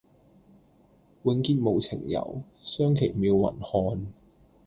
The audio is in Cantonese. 永結無情遊，相期邈雲漢